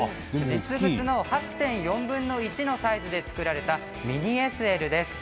実物の８．４分の１のサイズで作られたミニＳＬです。